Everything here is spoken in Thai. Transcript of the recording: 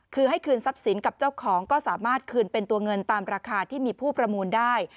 คือให้คืนทรัพย์สินกับเจ้าของก็สามารถคืนเป็นตัวเงินตามราคาที่มีผู้ประมูลได้